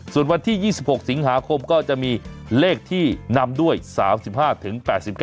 ส่วนวันที่๒๖สิงหาคมก็จะมีเลขที่นำด้วย๓๕๘๙